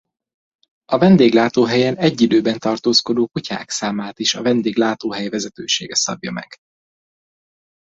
A vendéglátóhelyen egy időben tartózkodó kutyák számát is a vendéglátóhely vezetősége szabja meg.